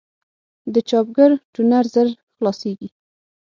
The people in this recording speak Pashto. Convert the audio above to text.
د چاپګر ټونر ژر خلاصېږي.